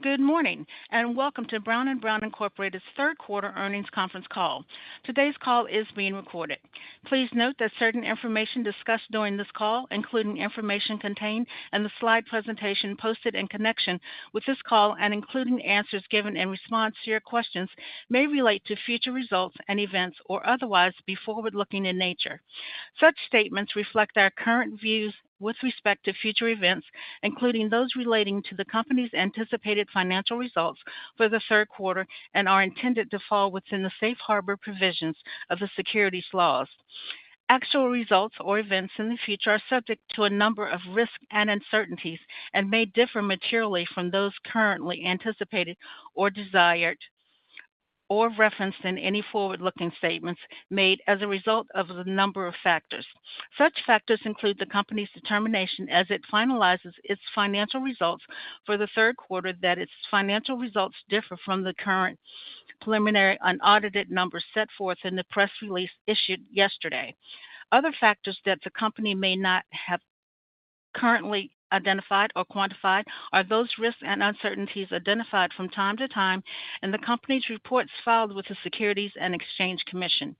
Good morning, and welcome to Brown & Brown Incorporated's third quarter earnings conference call. Today's call is being recorded. Please note that certain information discussed during this call, including information contained in the slide presentation posted in connection with this call and including answers given in response to your questions, may relate to future results and events or otherwise be forward-looking in nature. Such statements reflect our current views with respect to future events, including those relating to the company's anticipated financial results for the third quarter and are intended to fall within the safe harbor provisions of the securities laws. Actual results or events in the future are subject to a number of risks and uncertainties and may differ materially from those currently anticipated or desired, or referenced in any forward-looking statements made as a result of the number of factors. Such factors include the company's determination as it finalizes its financial results for the third quarter that its financial results differ from the current preliminary unaudited numbers set forth in the press release issued yesterday. Other factors that the company may not have currently identified or quantified are those risks and uncertainties identified from time to time in the company's reports filed with the Securities and Exchange Commission.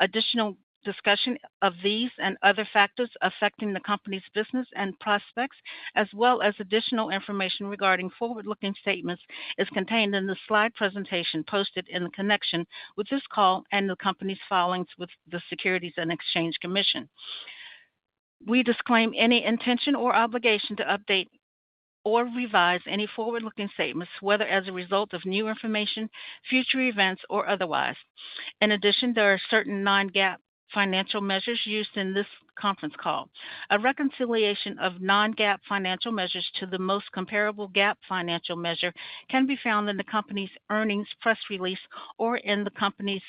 Additional discussion of these and other factors affecting the company's business and prospects, as well as additional information regarding forward-looking statements, is contained in the slide presentation posted in connection with this call and the company's filings with the Securities and Exchange Commission. We disclaim any intention or obligation to update or revise any forward-looking statements, whether as a result of new information, future events, or otherwise. In addition, there are certain non-GAAP financial measures used in this conference call. A reconciliation of non-GAAP financial measures to the most comparable GAAP financial measure can be found in the company's earnings press release or in the company's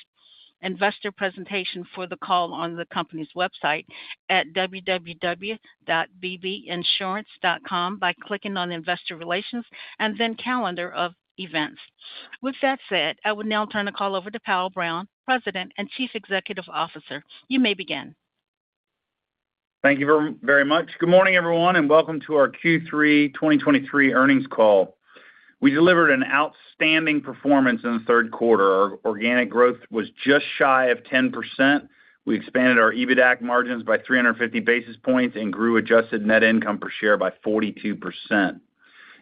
investor presentation for the call on the company's website at www.bbinsurance.com by clicking on Investor Relations and then Calendar of Events. With that said, I would now turn the call over to Powell Brown, President and Chief Executive Officer. You may begin. Thank you very, very much. Good morning, everyone, and welcome to our Q3 2023 earnings call. We delivered an outstanding performance in the third quarter. Our organic growth was just shy of 10%. We expanded our EBITDAC margins by 350 basis points and grew adjusted net income per share by 42%.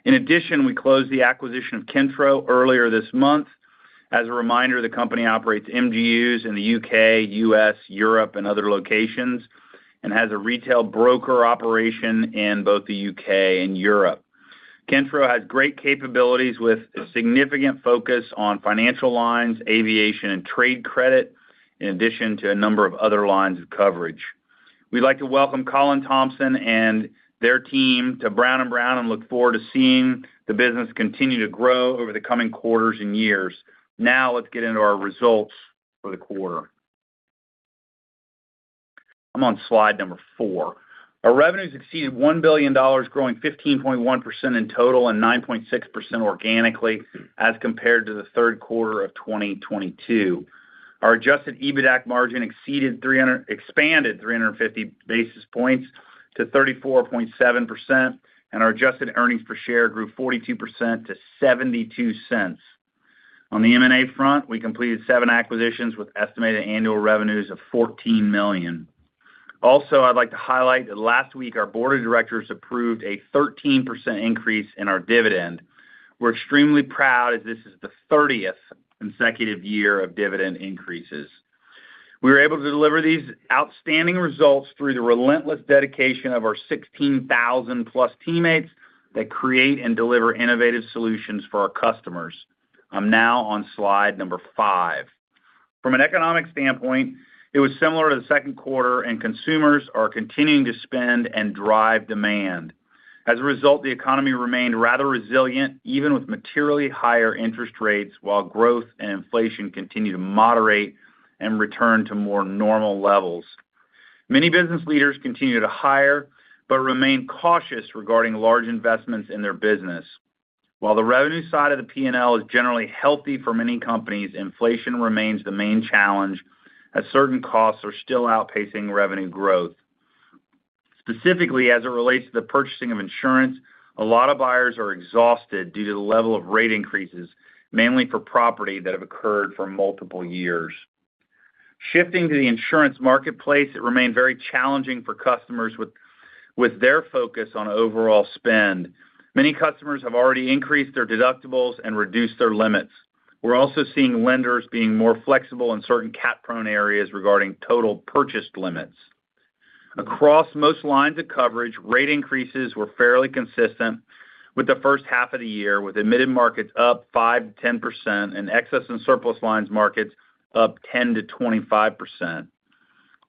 In addition, we closed the acquisition of Kentro earlier this month. As a reminder, the company operates MGUs in the U.K., U.S., Europe, and other locations, and has a retail broker operation in both the U.K. and Europe. Kentro has great capabilities with a significant focus on financial lines, aviation, and trade credit, in addition to a number of other lines of coverage. We'd like to welcome Colin Thompson and their team to Brown & Brown, and look forward to seeing the business continue to grow over the coming quarters and years. Now, let's get into our results for the quarter. I'm on slide 4. Our revenues exceeded $1 billion, growing 15.1% in total and 9.6% organically, as compared to the third quarter of 2022. Our adjusted EBITDAC margin expanded 350 basis points to 34.7%, and our adjusted earnings per share grew 42% to $0.72. On the M&A front, we completed 7 acquisitions with estimated annual revenues of $14 million. Also, I'd like to highlight that last week, our board of directors approved a 13% increase in our dividend. We're extremely proud, as this is the 30th consecutive year of dividend increases. We were able to deliver these outstanding results through the relentless dedication of our 16,000+ teammates that create and deliver innovative solutions for our customers. I'm now on slide number 5. From an economic standpoint, it was similar to the second quarter, and consumers are continuing to spend and drive demand. As a result, the economy remained rather resilient, even with materially higher interest rates, while growth and inflation continued to moderate and return to more normal levels. Many business leaders continue to hire, but remain cautious regarding large investments in their business. While the revenue side of the P&L is generally healthy for many companies, inflation remains the main challenge, as certain costs are still outpacing revenue growth. Specifically, as it relates to the purchasing of insurance, a lot of buyers are exhausted due to the level of rate increases, mainly for property that have occurred for multiple years. Shifting to the insurance marketplace, it remained very challenging for customers with their focus on overall spend. Many customers have already increased their deductibles and reduced their limits. We're also seeing lenders being more flexible in certain cat-prone areas regarding total purchased limits. Across most lines of coverage, rate increases were fairly consistent with the first half of the year, with admitted markets up 5%-10% and excess and surplus lines markets up 10%-25%.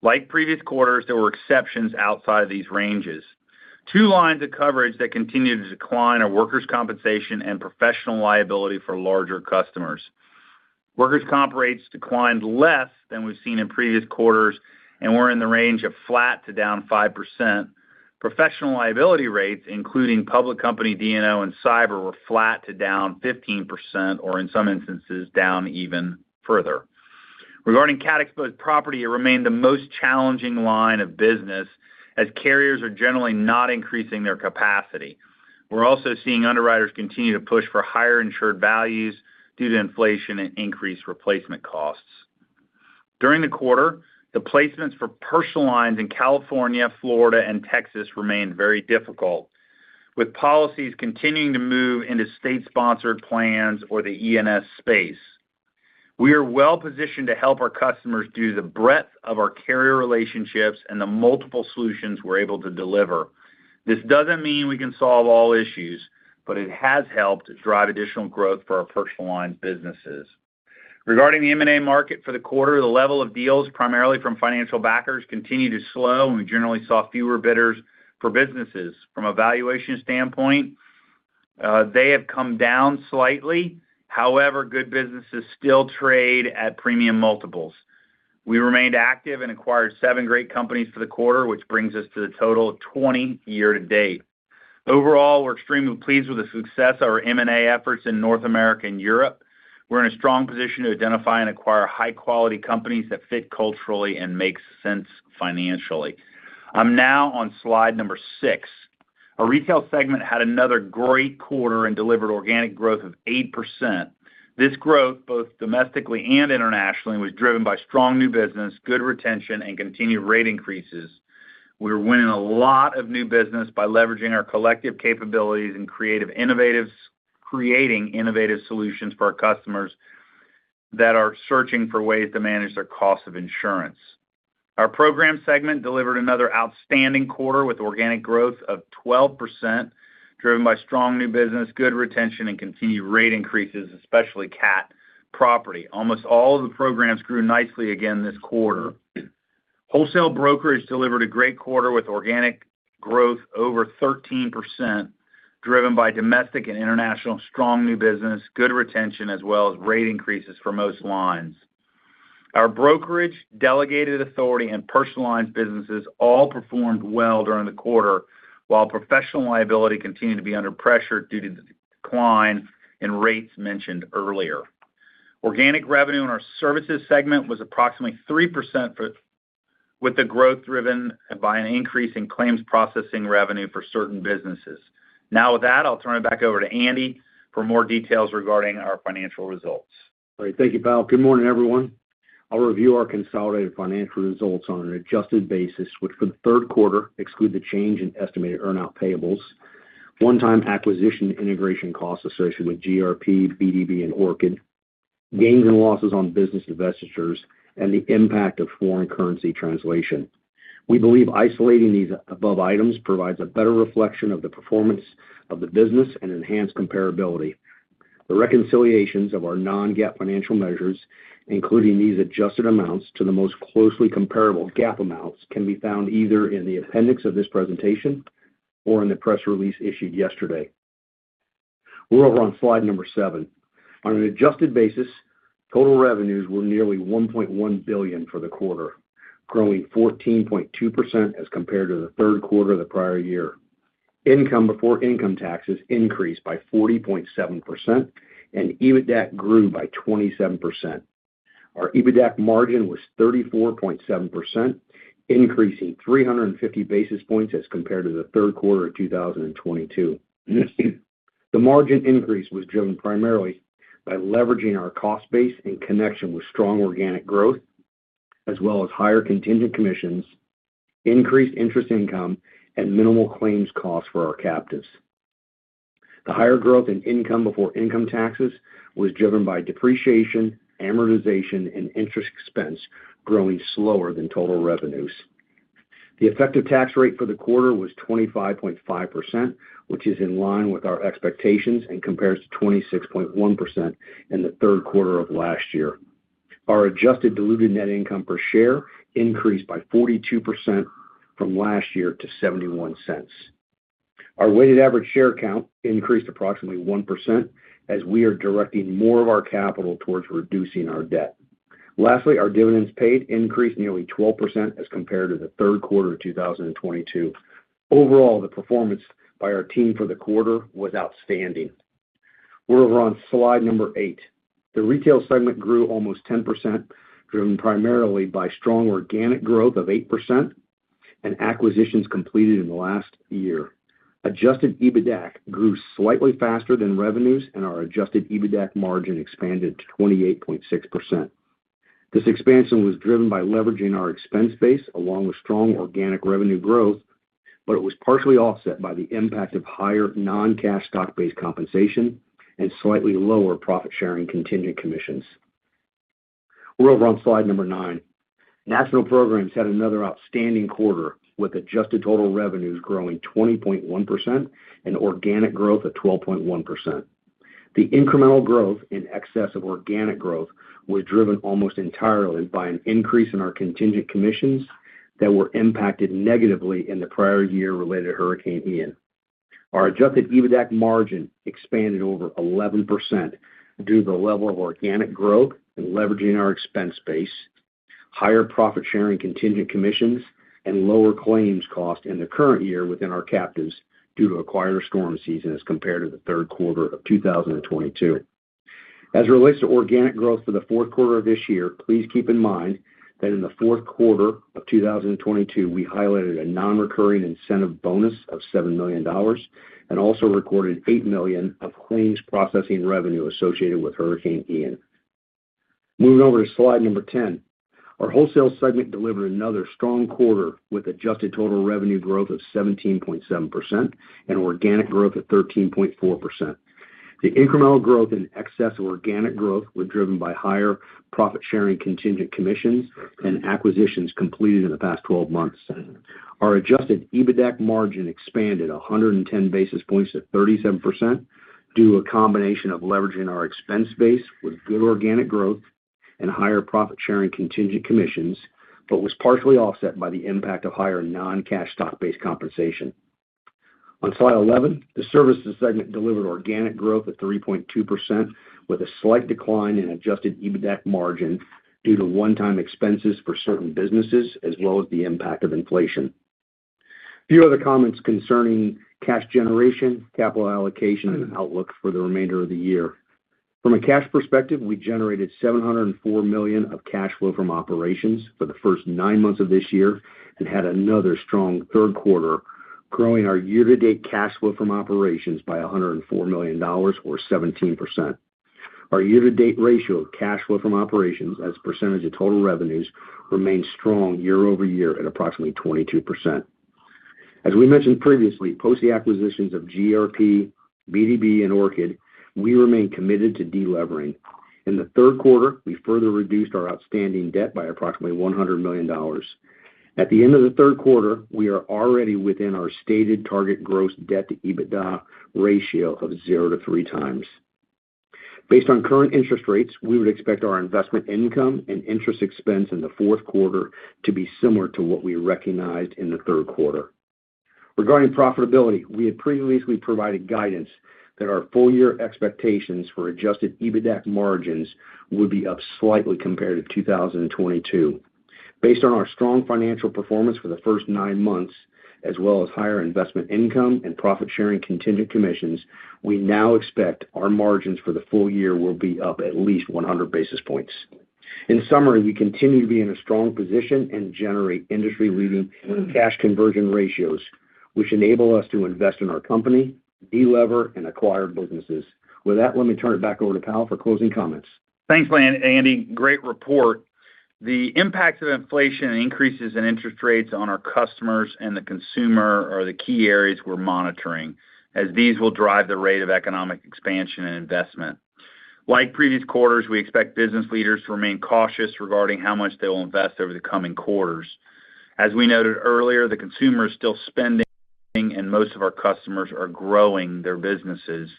Like previous quarters, there were exceptions outside of these ranges. Two lines of coverage that continued to decline are workers' compensation and professional liability for larger customers. Workers' comp rates declined less than we've seen in previous quarters and were in the range of flat to down 5%. Professional liability rates, including public company, D&O and cyber, were flat to down 15%, or in some instances, down even further. Regarding Cat-exposed property, it remained the most challenging line of business, as carriers are generally not increasing their capacity. We're also seeing underwriters continue to push for higher insured values due to inflation and increased replacement costs. During the quarter, the placements for personal lines in California, Florida, and Texas remained very difficult, with policies continuing to move into state-sponsored plans or the E&S space. We are well-positioned to help our customers due to the breadth of our carrier relationships and the multiple solutions we're able to deliver. This doesn't mean we can solve all issues, but it has helped drive additional growth for our personal line businesses. Regarding the M&A market for the quarter, the level of deals, primarily from financial backers, continued to slow, and we generally saw fewer bidders for businesses. From a valuation standpoint, they have come down slightly. However, good businesses still trade at premium multiples. We remained active and acquired 7 great companies for the quarter, which brings us to a total of 20 year to date. Overall, we're extremely pleased with the success of our M&A efforts in North America and Europe. We're in a strong position to identify and acquire high-quality companies that fit culturally and make sense financially. I'm now on slide number 6. Our retail segment had another great quarter and delivered organic growth of 8%. This growth, both domestically and internationally, was driven by strong new business, good retention, and continued rate increases. We are winning a lot of new business by leveraging our collective capabilities and creating innovative solutions for our customers that are searching for ways to manage their cost of insurance. Our program segment delivered another outstanding quarter with organic growth of 12%, driven by strong new business, good retention, and continued rate increases, especially cat property. Almost all of the programs grew nicely again this quarter. Wholesale brokerage delivered a great quarter with organic growth over 13%, driven by domestic and international, strong new business, good retention, as well as rate increases for most lines. Our brokerage, delegated authority, and personal lines businesses all performed well during the quarter, while professional liability continued to be under pressure due to the decline in rates mentioned earlier. Organic revenue in our services segment was approximately 3% with the growth driven by an increase in claims processing revenue for certain businesses. Now, with that, I'll turn it back over to Andy for more details regarding our financial results. All right. Thank you, Powell. Good morning, everyone. I'll review our consolidated financial results on an adjusted basis, which for the third quarter, exclude the change in estimated earn-out payables, one-time acquisition and integration costs associated with GRP, BDB, and Orchid, gains and losses on business divestitures, and the impact of foreign currency translation. We believe isolating these above items provides a better reflection of the performance of the business and enhanced comparability. The reconciliations of our non-GAAP financial measures, including these adjusted amounts to the most closely comparable GAAP amounts, can be found either in the appendix of this presentation or in the press release issued yesterday. We're over on slide 7. On an adjusted basis, total revenues were nearly $1.1 billion for the quarter, growing 14.2% as compared to the third quarter of the prior year. Income before income taxes increased by 40.7%, and EBITDA grew by 27%. Our EBITDA margin was 34.7%, increasing 350 basis points as compared to the third quarter of 2022. The margin increase was driven primarily by leveraging our cost base in connection with strong organic growth, as well as higher contingent commissions, increased interest income, and minimal claims costs for our captives. The higher growth in income before income taxes was driven by depreciation, amortization, and interest expense growing slower than total revenues. The effective tax rate for the quarter was 25.5%, which is in line with our expectations and compares to 26.1% in the third quarter of last year. Our adjusted diluted net income per share increased by 42% from last year to $0.71. Our weighted average share count increased approximately 1%, as we are directing more of our capital towards reducing our debt. Lastly, our dividends paid increased nearly 12% as compared to the third quarter of 2022. Overall, the performance by our team for the quarter was outstanding. We're over on slide number 8. The retail segment grew almost 10%, driven primarily by strong organic growth of 8% and acquisitions completed in the last year. Adjusted EBITDA grew slightly faster than revenues, and our adjusted EBITDA margin expanded to 28.6%. This expansion was driven by leveraging our expense base along with strong organic revenue growth, but it was partially offset by the impact of higher non-cash stock-based compensation and slightly lower profit-sharing contingent commissions. We're over on slide number 9. National Programs had another outstanding quarter, with adjusted total revenues growing 20.1% and organic growth of 12.1%. The incremental growth in excess of organic growth was driven almost entirely by an increase in our contingent commissions that were impacted negatively in the prior year related to Hurricane Ian. Our adjusted EBITDA margin expanded over 11% due to the level of organic growth and leveraging our expense base, higher profit sharing contingent commissions, and lower claims cost in the current year within our captives due to a quieter storm season as compared to the third quarter of 2022. As it relates to organic growth for the fourth quarter of this year, please keep in mind that in the fourth quarter of 2022, we highlighted a nonrecurring incentive bonus of $7 million and also recorded $8 million of claims processing revenue associated with Hurricane Ian. Moving over to slide 10. Our wholesale segment delivered another strong quarter, with adjusted total revenue growth of 17.7% and organic growth of 13.4%. The incremental growth in excess of organic growth were driven by higher profit sharing, contingent commissions and acquisitions completed in the past 12 months. Our adjusted EBITDAC margin expanded 110 basis points at 37%, due to a combination of leveraging our expense base with good organic growth and higher profit sharing contingent commissions, but was partially offset by the impact of higher non-cash stock-based compensation. On slide 11, the services segment delivered organic growth of 3.2%, with a slight decline in adjusted EBITDAC margin due to one-time expenses for certain businesses as well as the impact of inflation. A few other comments concerning cash generation, capital allocation, and outlook for the remainder of the year. From a cash perspective, we generated $704 million of cash flow from operations for the first nine months of this year and had another strong third quarter, growing our year-to-date cash flow from operations by $104 million, or 17%. Our year-to-date ratio of cash flow from operations as a percentage of total revenues remains strong year-over-year at approximately 22%. As we mentioned previously, post the acquisitions of GRP, BDB, and Orchid, we remain committed to delevering. In the third quarter, we further reduced our outstanding debt by approximately $100 million. At the end of the third quarter, we are already within our stated target gross debt to EBITDA ratio of zero-3 times. Based on current interest rates, we would expect our investment income and interest expense in the fourth quarter to be similar to what we recognized in the third quarter. Regarding profitability, we had previously provided guidance that our full year expectations for adjusted EBITDAC margins would be up slightly compared to 2022. Based on our strong financial performance for the first nine months, as well as higher investment income and profit-sharing contingent commissions, we now expect our margins for the full year will be up at least 100 basis points. In summary, we continue to be in a strong position and generate industry-leading cash conversion ratios, which enable us to invest in our company, delever, and acquire businesses. With that, let me turn it back over to Powell for closing comments. Thanks, Andy. Great report. The impact of inflation and increases in interest rates on our customers and the consumer are the key areas we're monitoring, as these will drive the rate of economic expansion and investment. Like previous quarters, we expect business leaders to remain cautious regarding how much they will invest over the coming quarters. As we noted earlier, the consumer is still spending, and most of our customers are growing their businesses.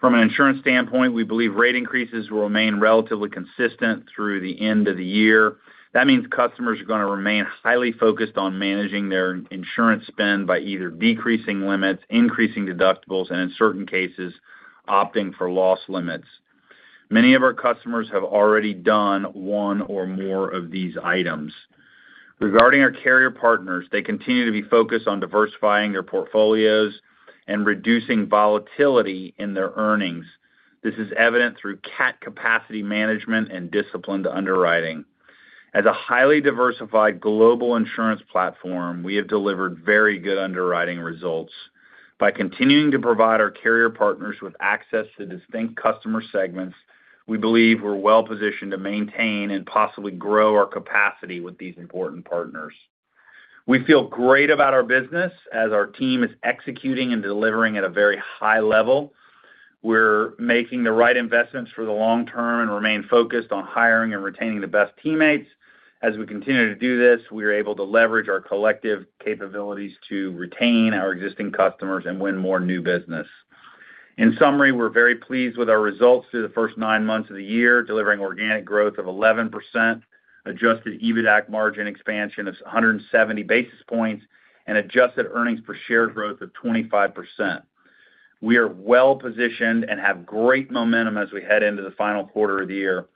From an insurance standpoint, we believe rate increases will remain relatively consistent through the end of the year. That means customers are going to remain highly focused on managing their insurance spend by either decreasing limits, increasing deductibles, and in certain cases, opting for loss limits. Many of our customers have already done one or more of these items. Regarding our carrier partners, they continue to be focused on diversifying their portfolios and reducing volatility in their earnings. This is evident through cat capacity management and disciplined underwriting. As a highly diversified global insurance platform, we have delivered very good underwriting results. By continuing to provide our carrier partners with access to distinct customer segments, we believe we're well positioned to maintain and possibly grow our capacity with these important partners. We feel great about our business as our team is executing and delivering at a very high level. We're making the right investments for the long term and remain focused on hiring and retaining the best teammates. As we continue to do this, we are able to leverage our collective capabilities to retain our existing customers and win more new business. In summary, we're very pleased with our results through the first nine months of the year, delivering organic growth of 11%, Adjusted EBITDAC margin expansion of 170 basis points, and adjusted earnings per share growth of 25%. We are well positioned and have great momentum as we head into the final quarter of the year.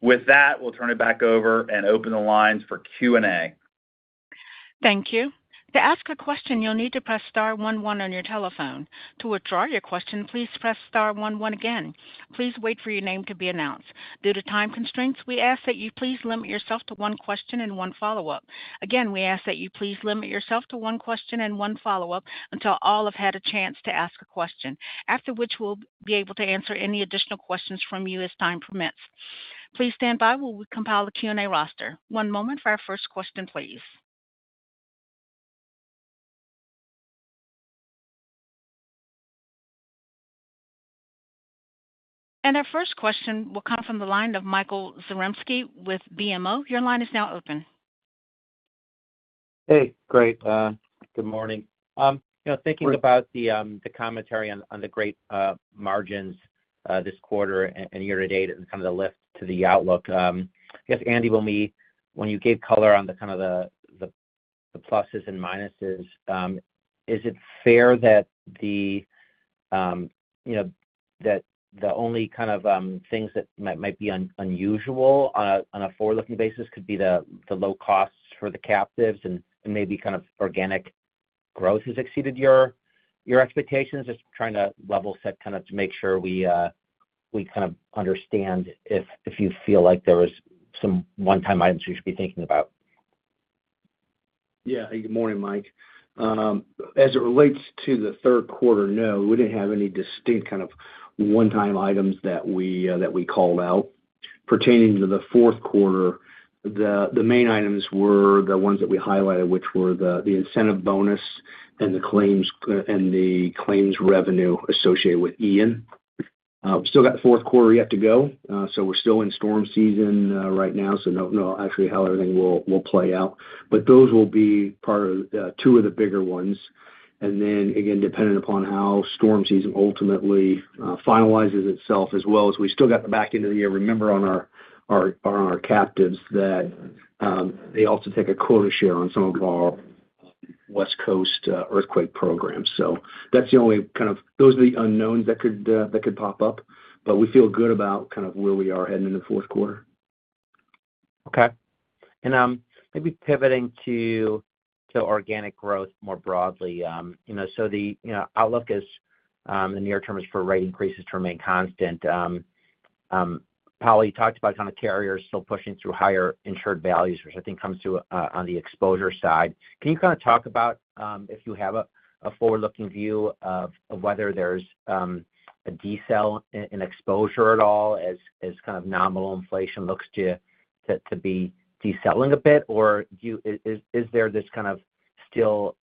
With that, we'll turn it back over and open the lines for Q&A. Thank you. To ask a question, you'll need to press star one, one on your telephone. To withdraw your question, please press star one, one again. Please wait for your name to be announced. Due to time constraints, we ask that you please limit yourself to one question and one follow-up. Again, we ask that you please limit yourself to one question and one follow-up, until all have had a chance to ask a question, after which we'll be able to answer any additional questions from you as time permits. Please stand by while we compile the Q&A roster. One moment for our first question, please. And our first question will come from the line of Michael Zaremski with BMO. Your line is now open. Hey, great. Good morning. Thinking about the commentary on the great margins this quarter and year to date and kind of the lift to the outlook. I guess, Andy, when we—when you gave color on the kind of the pluses and minuses. Is it fair that the, you know, that the only kind of things that might be unusual on a forward-looking basis could be the low costs for the captives and maybe kind of organic growth has exceeded your expectations? Just trying to level set, kind of to make sure we kind of understand if you feel like there was some one-time items we should be thinking about. Yeah. Good morning, Mike. As it relates to the third quarter, no, we didn't have any distinct kind of one-time items that we called out. Pertaining to the fourth quarter, the main items were the ones that we highlighted, which were the incentive bonus and the claims revenue associated with Ian. We've still got fourth quarter yet to go, so we're still in storm season right now, so don't know actually how everything will play out. But those will be part of two of the bigger ones. And then, again, depending upon how storm season ultimately finalizes itself, as well as we still got the back end of the year. Remember, on our captives that they also take a quarter share on some of our West Coast earthquake programs. So that's the only kind of... Those are the unknowns that could, that could pop up, but we feel good about kind of where we are heading in the fourth quarter. Okay. And maybe pivoting to organic growth more broadly. You know, so the you know outlook is in the near term for rate increases to remain constant. Powell, you talked about kind of carriers still pushing through higher insured values, which I think comes to on the exposure side. Can you kind of talk about if you have a forward-looking view of whether there's a decel in exposure at all, as kind of nominal inflation looks to be deceling a bit? Or do you... Is there this kind of still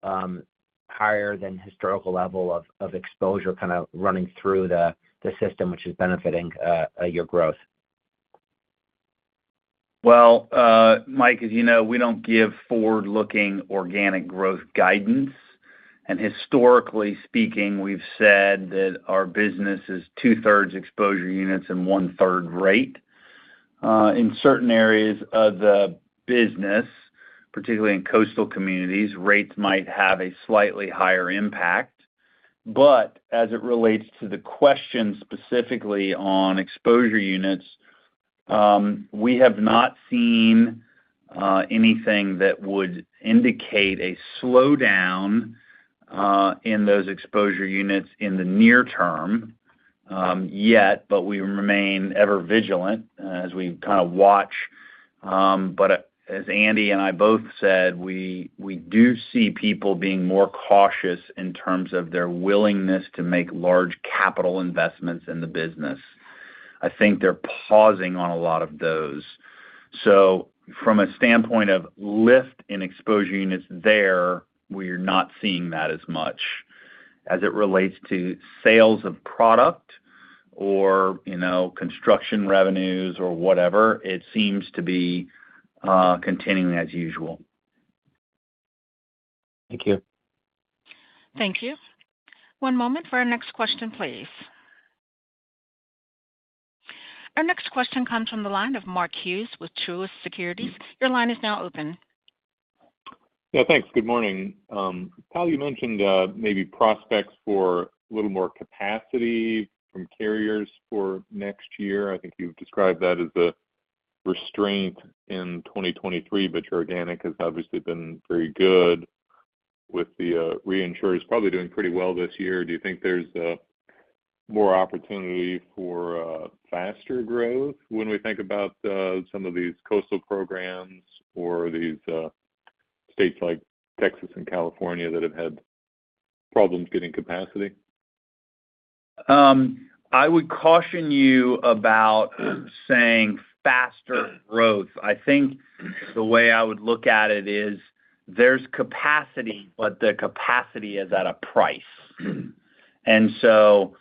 higher than historical level of exposure kind of running through the system, which is benefiting your growth? Well, Mike, as you know, we don't give forward-looking organic growth guidance. Historically speaking, we've said that our business is two-thirds exposure units and one-third rate. In certain areas of the business, particularly in coastal communities, rates might have a slightly higher impact. But as it relates to the question specifically on exposure units, we have not seen anything that would indicate a slowdown in those exposure units in the near term yet, but we remain ever vigilant as we kind of watch. But as Andy and I both said, we do see people being more cautious in terms of their willingness to make large capital investments in the business. I think they're pausing on a lot of those. So from a standpoint of lift in exposure units there, we're not seeing that as much. As it relates to sales of product or, you know, construction revenues or whatever, it seems to be continuing as usual. Thank you. Thank you. One moment for our next question, please. Our next question comes from the line of Mark Hughes with Truist Securities. Your line is now open. Yeah, thanks. Good morning. Paul, you mentioned maybe prospects for a little more capacity from carriers for next year. I think you've described that as a restraint in 2023, but your organic has obviously been very good with the reinsurers probably doing pretty well this year. Do you think there's more opportunity for faster growth when we think about some of these coastal programs or these states like Texas and California, that have had problems getting capacity? I would caution you about saying faster growth. I think the way I would look at it is, there's capacity, but the capacity is at a price. And so,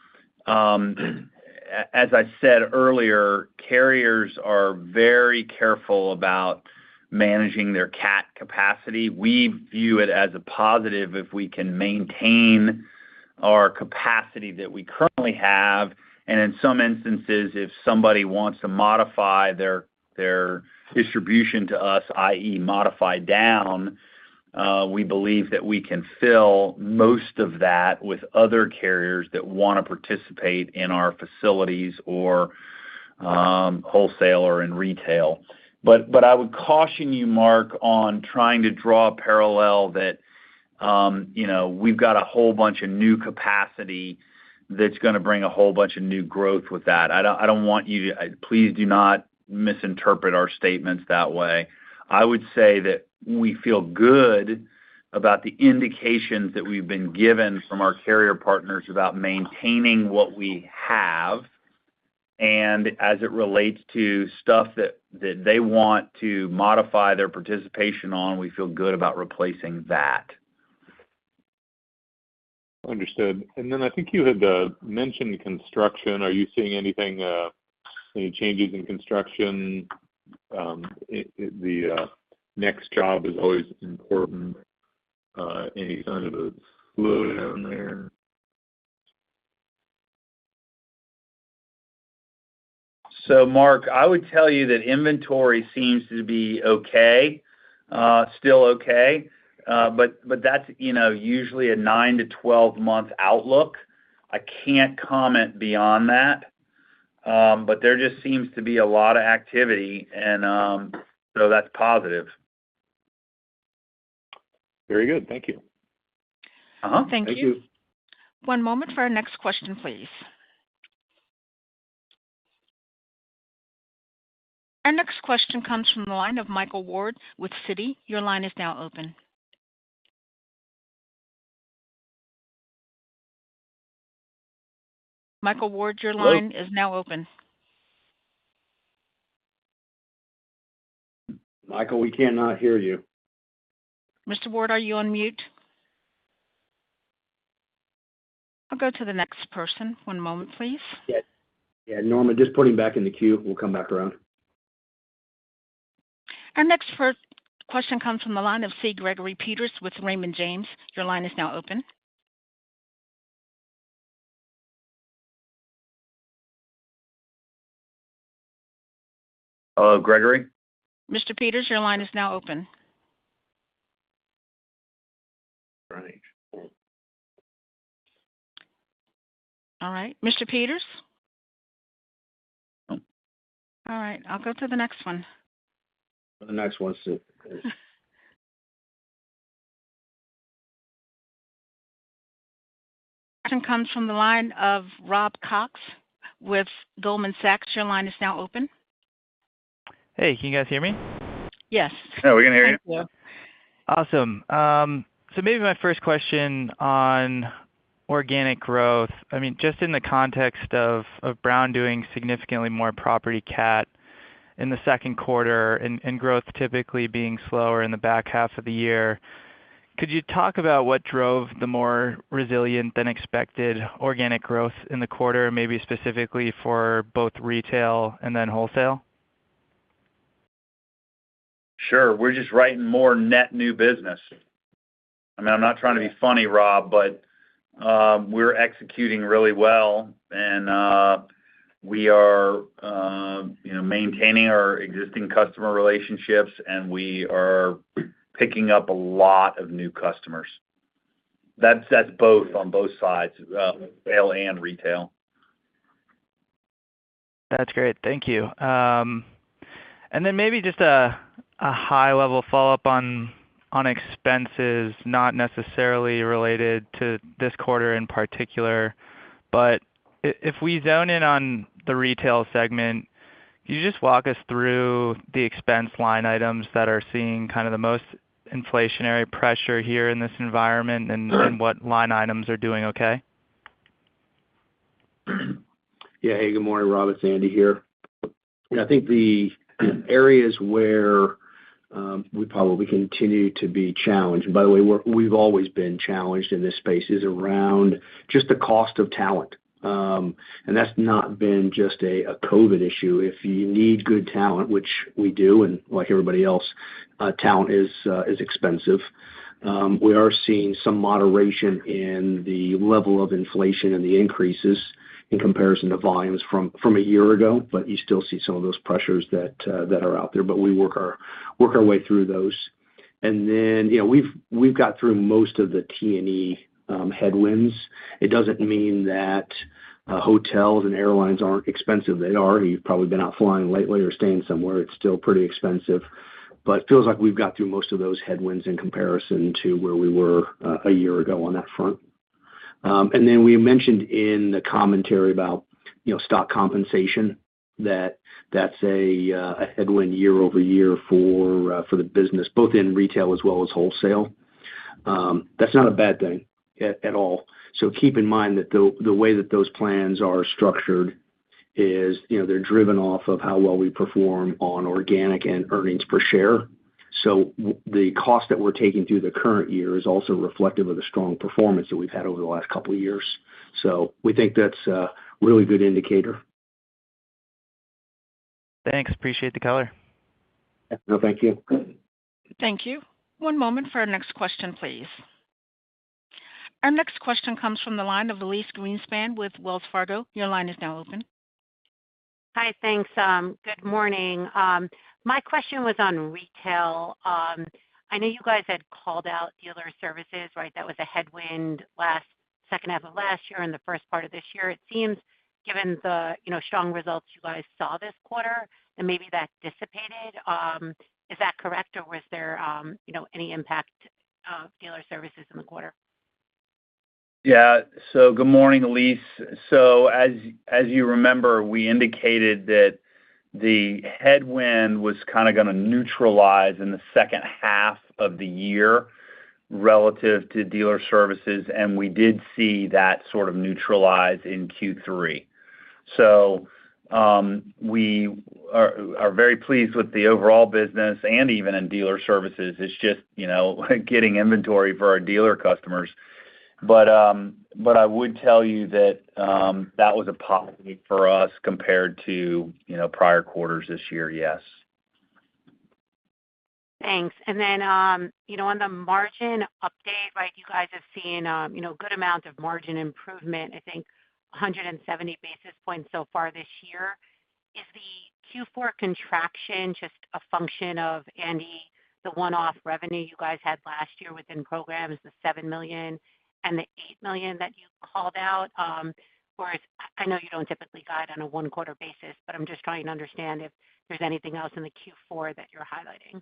as I said earlier, carriers are very careful about managing their cat capacity. We view it as a positive if we can maintain our capacity that we currently have, and in some instances, if somebody wants to modify their, their distribution to us, i.e., modify down, we believe that we can fill most of that with other carriers that want to participate in our facilities or, wholesale or in retail. But I would caution you, Mark, on trying to draw a parallel that, you know, we've got a whole bunch of new capacity that's going to bring a whole bunch of new growth with that. I don't want you to. Please do not misinterpret our statements that way. I would say that we feel good about the indications that we've been given from our carrier partners about maintaining what we have. And as it relates to stuff that they want to modify their participation on, we feel good about replacing that. Understood. And then I think you had mentioned construction. Are you seeing anything, any changes in construction? The next job is always important. Any kind of a slowdown there?... So Mark, I would tell you that inventory seems to be okay, still okay. But, but that's, you know, usually a 9-12-month outlook. I can't comment beyond that, but there just seems to be a lot of activity, and, so that's positive. Very good. Thank you. Uh-huh. Thank you. Thank you. One moment for our next question, please. Our next question comes from the line of Michael Ward with Citi. Your line is now open. Michael Ward, your line- Hello? Is now open. Michael, we cannot hear you. Mr. Ward, are you on mute? I'll go to the next person. One moment, please. Yeah. Yeah, Norma, just put him back in the queue, we'll come back around. Our next first question comes from the line of C. Gregory Peters with Raymond James. Your line is now open. Hello, Gregory? Mr. Peters, your line is now open. Right. All right, Mr. Peters? All right, I'll go to the next one. The next one, so. Our next question comes from the line of Rob Cox with Goldman Sachs. Your line is now open. Hey, can you guys hear me? Yes. Oh, we can hear you. Yeah. Awesome. So maybe my first question on organic growth. I mean, just in the context of Brown doing significantly more property cat in the second quarter and growth typically being slower in the back half of the year, could you talk about what drove the more resilient than expected organic growth in the quarter, maybe specifically for both retail and then wholesale? Sure. We're just writing more net new business. I mean, I'm not trying to be funny, Rob, but we're executing really well, and we are you know, maintaining our existing customer relationships, and we are picking up a lot of new customers. That's that's both, on both sides, well and retail. That's great. Thank you. And then maybe just a high-level follow-up on expenses, not necessarily related to this quarter in particular, but if we zone in on the retail segment, can you just walk us through the expense line items that are seeing kind of the most inflationary pressure here in this environment? Sure. And what line items are doing okay? Yeah. Hey, good morning, Rob, it's Andy here. I think the areas where we probably continue to be challenged, by the way, we've always been challenged in this space, is around just the cost of talent. And that's not been just a COVID issue. If you need good talent, which we do, and like everybody else, talent is expensive. We are seeing some moderation in the level of inflation and the increases in comparison to volumes from a year ago, but you still see some of those pressures that are out there. But we work our way through those. And then, you know, we've got through most of the T&E headwinds. It doesn't mean that hotels and airlines aren't expensive. They are, you've probably been out flying lately or staying somewhere. It's still pretty expensive, but it feels like we've got through most of those headwinds in comparison to where we were a year ago on that front. And then we mentioned in the commentary about, you know, stock compensation, that that's a headwind year-over-year for the business, both in retail as well as wholesale. That's not a bad thing at all. So keep in mind that the way that those plans are structured is, you know, they're driven off of how well we perform on organic and earnings per share. So the cost that we're taking through the current year is also reflective of the strong performance that we've had over the last couple of years. So we think that's a really good indicator. Thanks. Appreciate the color. No, thank you. Thank you. One moment for our next question, please. Our next question comes from the line of Elise Greenspan with Wells Fargo. Your line is now open. Hi, thanks. Good morning. My question was on retail. I know you guys had called out dealer services, right? That was a headwind second half of last year and the first part of this year. It seems, given the, you know, strong results you guys saw this quarter, then maybe that dissipated. Is that correct, or was there, you know, any impact of dealer services in the quarter? Yeah. So good morning, Elise. So as you remember, we indicated that the headwind was kind of going to neutralize in the second half of the year relative to dealer services, and we did see that sort of neutralize in Q3. So, we are very pleased with the overall business and even in dealer services. It's just, you know, getting inventory for our dealer customers. But I would tell you that that was a positive for us compared to, you know, prior quarters this year, yes.... Thanks. And then, you know, on the margin update, right, you guys have seen, you know, good amounts of margin improvement, I think 170 basis points so far this year. Is the Q4 contraction just a function of any, the one-off revenue you guys had last year within programs, the $7 million and the $8 million that you called out? Or, I know you don't typically guide on a one-quarter basis, but I'm just trying to understand if there's anything else in the Q4 that you're highlighting.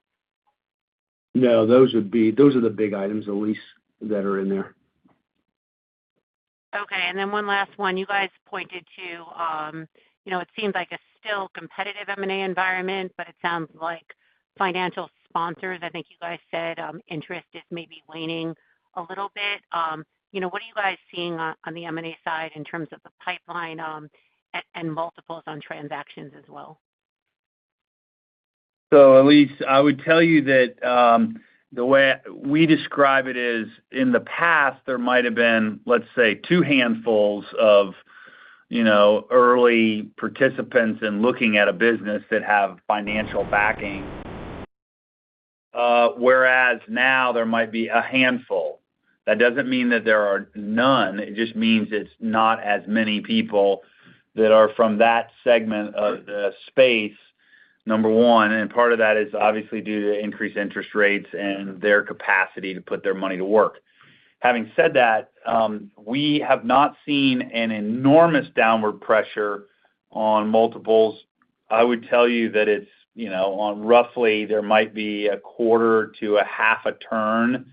No, those are the big items, Elise, that are in there. Okay. And then one last one. You guys pointed to, you know, it seems like a still competitive M&A environment, but it sounds like financial sponsors, I think you guys said, interest is maybe waning a little bit. You know, what are you guys seeing on, on the M&A side in terms of the pipeline, and multiples on transactions as well? So Elise, I would tell you that, the way we describe it is, in the past, there might have been, let's say, two handfuls of, you know, early participants in looking at a business that have financial backing. Whereas now there might be a handful. That doesn't mean that there are none. It just means it's not as many people that are from that segment of the space, number one, and part of that is obviously due to increased interest rates and their capacity to put their money to work. Having said that, we have not seen an enormous downward pressure on multiples. I would tell you that it's, you know, on roughly there might be a quarter to a half a turn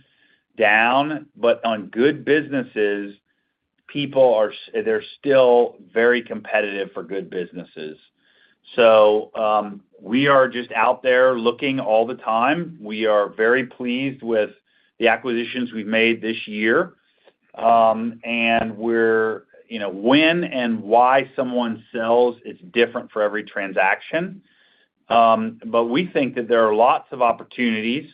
down, but on good businesses, people are they're still very competitive for good businesses. So, we are just out there looking all the time. We are very pleased with the acquisitions we've made this year. And we're... You know, when and why someone sells, it's different for every transaction. But we think that there are lots of opportunities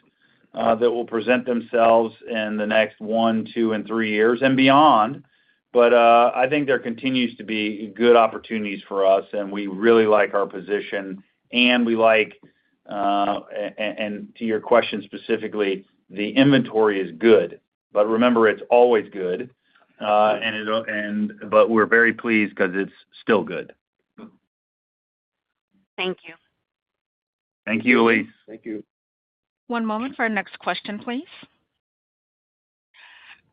that will present themselves in the next 1, 2, and 3 years, and beyond. But, I think there continues to be good opportunities for us, and we really like our position, and we like, and to your question specifically, the inventory is good. But remember, it's always good, and it'll and but we're very pleased because it's still good. Thank you. Thank you, Elise. Thank you. One moment for our next question, please.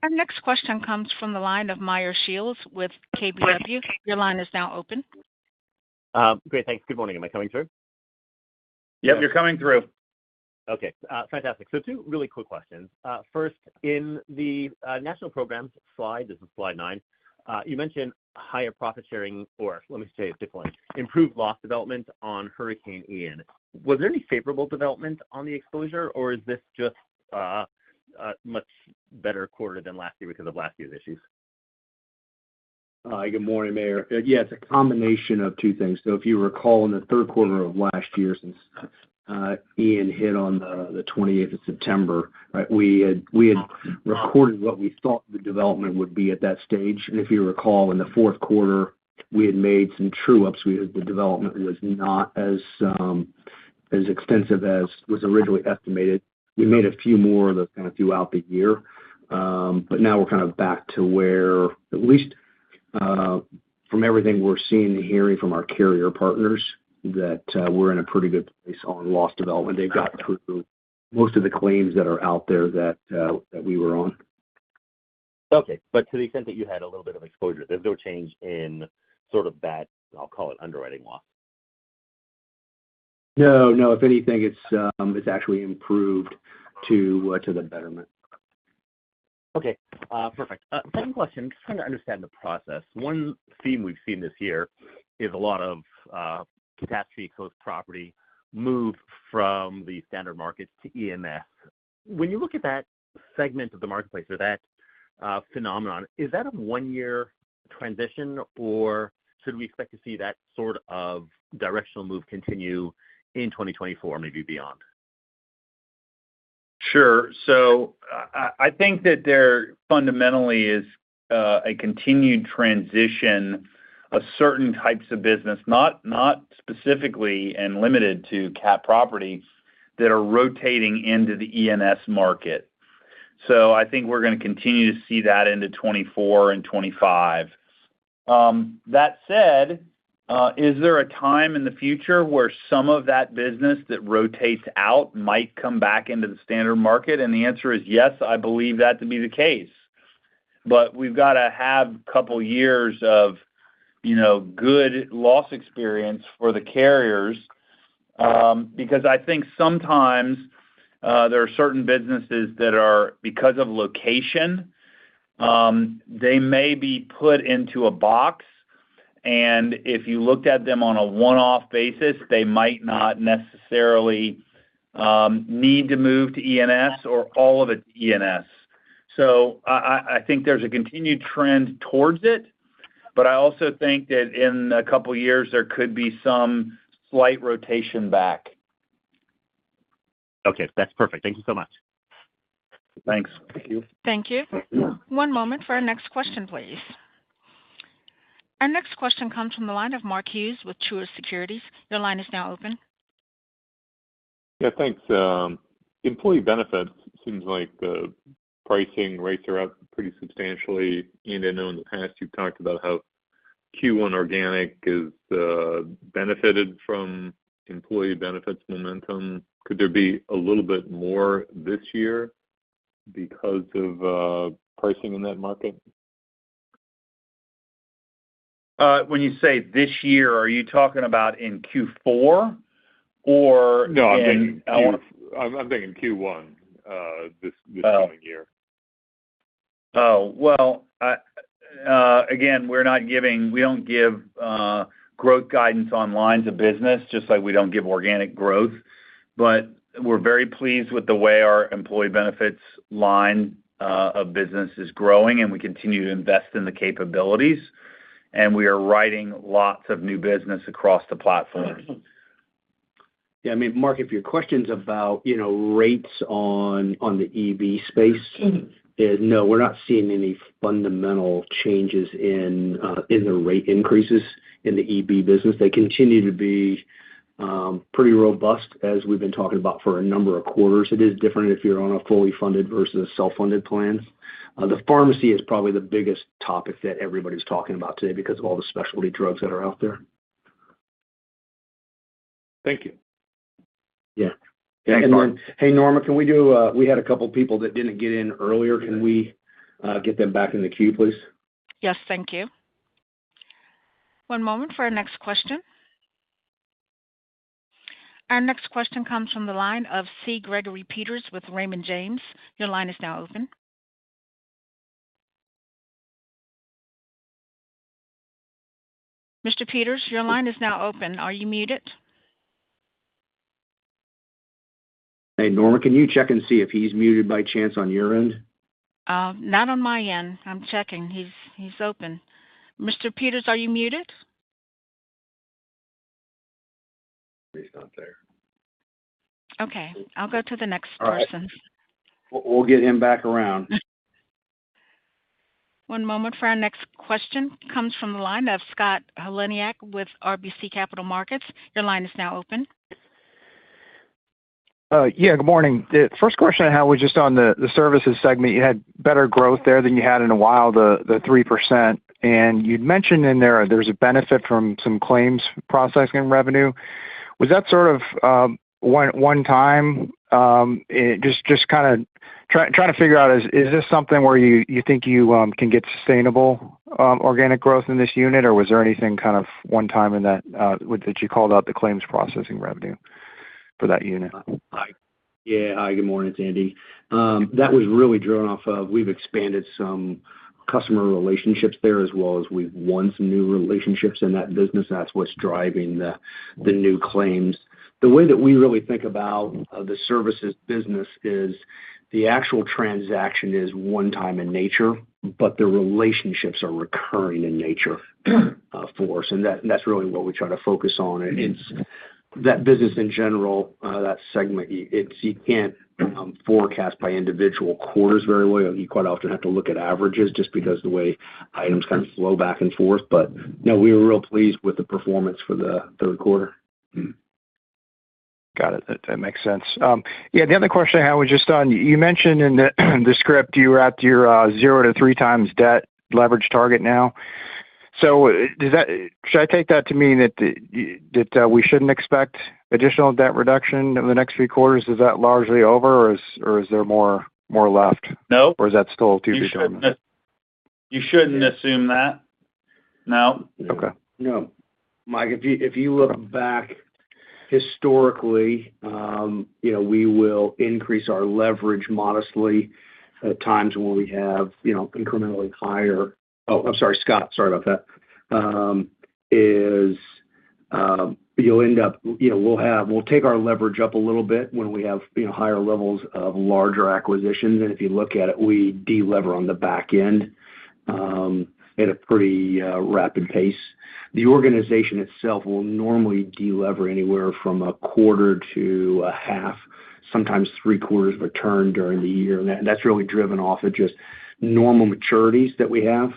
Our next question comes from the line of Meyer Shields with KBW. Your line is now open. Great, thanks. Good morning. Am I coming through? Yep, you're coming through. Okay, fantastic. So two really quick questions. First, in the national programs slide, this is slide nine, you mentioned higher profit sharing, or let me say it differently, improved loss development on Hurricane Ian. Was there any favorable development on the exposure, or is this just a much better quarter than last year because of last year's issues? Good morning, Meyer. Yeah, it's a combination of two things. So if you recall, in the third quarter of last year, since Ian hit on the 28th of September, right? We had recorded what we thought the development would be at that stage. And if you recall, in the fourth quarter, we had made some true ups. The development was not as extensive as was originally estimated. We made a few more of those kind of throughout the year. But now we're kind of back to where, at least, from everything we're seeing and hearing from our carrier partners, that we're in a pretty good place on loss development. They've got through most of the claims that are out there that we were on. Okay, but to the extent that you had a little bit of exposure, there's no change in sort of that, I'll call it underwriting loss? No, no. If anything, it's actually improved to the betterment. Okay, perfect. Second question, just trying to understand the process. One theme we've seen this year is a lot of catastrophe-closed property move from the standard markets to E&S. When you look at that segment of the marketplace or that phenomenon, is that a one-year transition, or should we expect to see that sort of directional move continue in 2024, maybe beyond? Sure. So I think that there fundamentally is a continued transition of certain types of business, not specifically and limited to Cat property, that are rotating into the ENS market. So I think we're going to continue to see that into 2024 and 2025. That said, is there a time in the future where some of that business that rotates out might come back into the standard market? And the answer is yes, I believe that to be the case. But we've got to have a couple of years of, you know, good loss experience for the carriers, because I think sometimes, there are certain businesses that are, because of location, they may be put into a box, and if you looked at them on a one-off basis, they might not necessarily need to move to ENS or all of it to ENS. So I think there's a continued trend towards it, but I also think that in a couple of years, there could be some slight rotation back. Okay, that's perfect. Thank you so much. Thanks. Thank you. Thank you. One moment for our next question, please.... Our next question comes from the line of Mark Hughes with Truist Securities. Your line is now open. Yeah, thanks. Employee benefits seems like the pricing rates are up pretty substantially, and I know in the past, you've talked about how Q1 organic is benefited from employee benefits momentum. Could there be a little bit more this year because of pricing in that market? When you say this year, are you talking about in Q4 or in- No, I'm thinking Q1 this coming year. Oh, well, again, we're not giving. We don't give growth guidance on lines of business, just like we don't give organic growth. But we're very pleased with the way our employee benefits line of business is growing, and we continue to invest in the capabilities, and we are writing lots of new business across the platform. Okay. Yeah, I mean, Mark, if your question's about, you know, rates on the EB space, no, we're not seeing any fundamental changes in the rate increases in the EB business. They continue to be pretty robust, as we've been talking about for a number of quarters. It is different if you're on a fully funded versus a self-funded plan. The pharmacy is probably the biggest topic that everybody's talking about today because of all the specialty drugs that are out there. Thank you. Yeah. Thanks, Mark. Hey, Norma, can we do, we had a couple of people that didn't get in earlier. Can we, get them back in the queue, please? Yes, thank you. One moment for our next question. Our next question comes from the line of C. Gregory Peters with Raymond James. Your line is now open. Mr. Peters, your line is now open. Are you muted? Hey, Norma, can you check and see if he's muted by chance on your end? Not on my end. I'm checking. He's open. Mr. Peters, are you muted? He's not there. Okay, I'll go to the next person. All right. We'll, we'll get him back around. One moment for our next question, comes from the line of Scott Heleniak with RBC Capital Markets. Your line is now open. Yeah, good morning. The first question I had was just on the services segment. You had better growth there than you had in a while, the 3%, and you'd mentioned in there there's a benefit from some claims processing revenue. Was that sort of one time? It just kinda trying to figure out, is this something where you think you can get sustainable organic growth in this unit, or was there anything kind of one time in that that you called out the claims processing revenue for that unit? Yeah. Hi, good morning, it's Andy. That was really driven off of we've expanded some customer relationships there, as well as we've won some new relationships in that business. That's what's driving the, the new claims. The way that we really think about the services business is the actual transaction is one time in nature, but the relationships are recurring in nature for us, and that's really what we try to focus on. Mm-hmm. And it's that business in general, that segment. It's, you can't forecast by individual quarters very well. You quite often have to look at averages just because the way items kind of flow back and forth. But no, we were real pleased with the performance for the third quarter. Got it. That makes sense. Yeah, the other question I had was just on, you mentioned in the script, you were at your zero-three times debt leverage target now. So does that. Should I take that to mean that we shouldn't expect additional debt reduction over the next few quarters? Is that largely over, or is there more left? No. Or is that still to be determined? You shouldn't assume that. No. Okay. No. Mike, if you look back historically, you know, we will increase our leverage modestly at times when we have, you know, incrementally higher... Oh, I'm sorry, Scott, sorry about that. You'll end up, you know, we'll have... We'll take our leverage up a little bit when we have, you know, higher levels of larger acquisitions. And if you look at it, we delever on the back end at a pretty rapid pace. The organization itself will normally delever anywhere from a quarter to a half, sometimes three-quarters of a turn during the year. And that, that's really driven off of just normal maturities that we have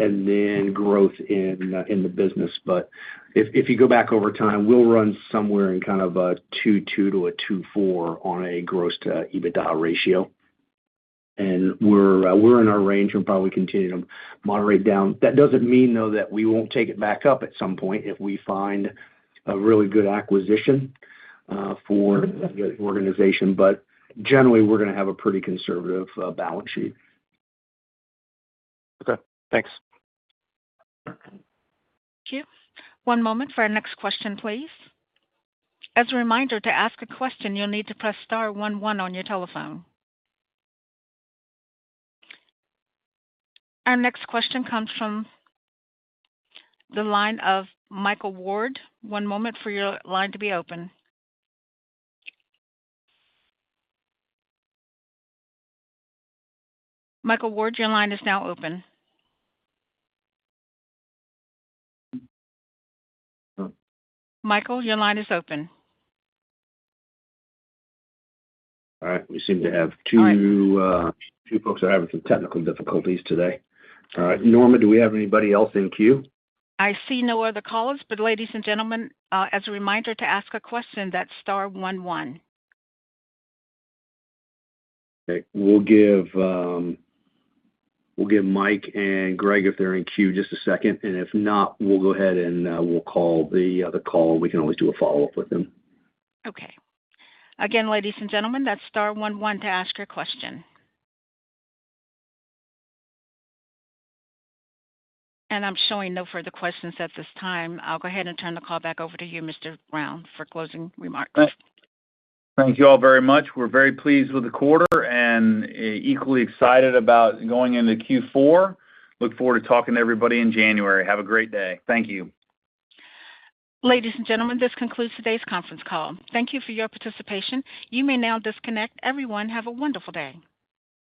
and then growth in the business. But if you go back over time, we'll run somewhere in kind of a two.two-two.four on a gross to EBITDA ratio, and we're in our range and probably continue to moderate down. That doesn't mean, though, that we won't take it back up at some point if we find a really good acquisition for the organization. But generally, we're going to have a pretty conservative balance sheet. Okay, thanks. Thank you. One moment for our next question, please. As a reminder, to ask a question, you'll need to press star one one on your telephone. Our next question comes from the line of Michael Ward. One moment for your line to be open. Michael Ward, your line is now open. Michael, your line is open. All right. We seem to have two- All right. Two folks are having some technical difficulties today. All right, Norma, do we have anybody else in queue? I see no other callers, but ladies and gentlemen, as a reminder, to ask a question, that's star one one. Okay. We'll give Mike and Greg, if they're in queue, just a second, and if not, we'll go ahead and we'll call the caller. We can always do a follow-up with them. Okay. Again, ladies and gentlemen, that's star one one to ask your question. I'm showing no further questions at this time. I'll go ahead and turn the call back over to you, Mr. Brown, for closing remarks. Thank you all very much. We're very pleased with the quarter and equally excited about going into Q4. Look forward to talking to everybody in January. Have a great day. Thank you. Ladies and gentlemen, this concludes today's conference call. Thank you for your participation. You may now disconnect. Everyone, have a wonderful day.